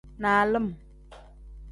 Nalim.